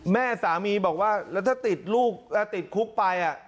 แม่สามีบอกว่าแล้วถ้าติดลูกแล้วติดคุกไป